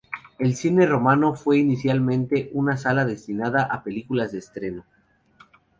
El Cine Romano fue inicialmente una sala destinada a películas de estreno.